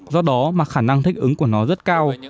do đó mà khả năng thích ứng của nó rất cao